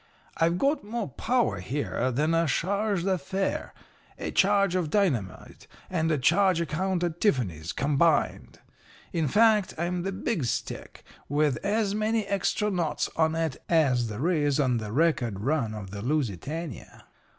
I've got more power here than a chargé d'affaires, a charge of dynamite, and a charge account at Tiffany's combined. In fact, I'm the Big Stick, with as many extra knots on it as there is on the record run of the Lusitania.